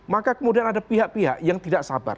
maka kemudian ada pihak pihak yang tidak sabar